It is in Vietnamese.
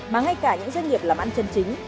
mà ngay cả những doanh nghiệp làm ăn chân chính